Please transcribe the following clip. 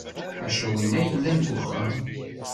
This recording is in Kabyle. Ḥaca winna i yellan deg uxxam.